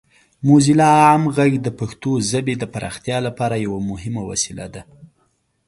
موزیلا عام غږ د پښتو ژبې د پراختیا لپاره یوه مهمه وسیله ده.